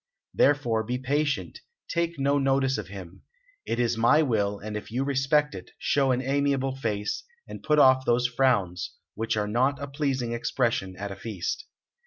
Therefore be patient, take no notice of him it is my will, and if you respect it, show an amiable face, and put off those frowns, which are not a pleasing expression at a feast."